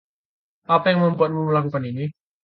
Apa yang membuatmu melakukan ini?